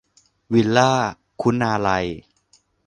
วิลล่า คุณาลัย